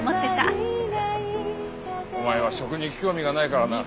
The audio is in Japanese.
ハハハお前は食に興味がないからな。